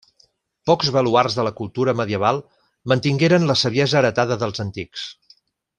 Pocs baluards de la cultura medieval mantingueren la saviesa heretada dels antics.